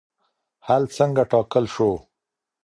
حل څنګه ټاکل شو؟